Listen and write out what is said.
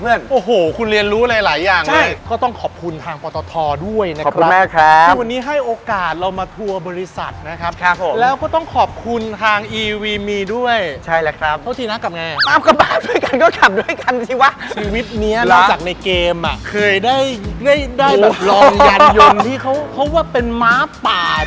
เผยเคยได้ลองยันยนต์ที่เขาว่าเป็นม้าป่า